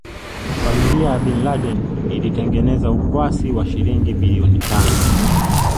Familia ya Bin Laden ilitengeneza ukwasi wa shilingi biiloni tano